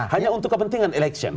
hanya untuk kepentingan election